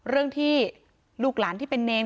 เรื่องที่ลูกหลานที่เป็นเนร